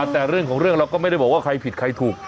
แต่เรื่องของเรื่องเราก็ไม่ได้บอกว่าใครผิดใครถูก